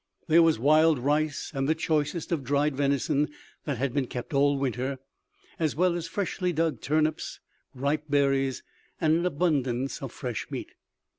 There was wild rice and the choicest of dried venison that had been kept all winter, as well as freshly dug turnips, ripe berries and an abundance of fresh meat.